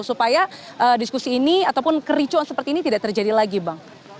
supaya diskusi ini ataupun kericuan seperti ini tidak terjadi lagi bang